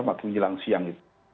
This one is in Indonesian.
waktu menjelang siang itu